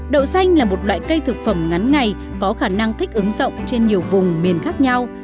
đậu xanh là một loại cây thực phẩm ngắn ngày có khả năng thích ứng rộng trên nhiều vùng miền khác nhau